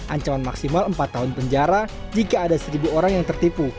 ancaman maksimal empat tahun penjara jika ada seribu orang yang tertipu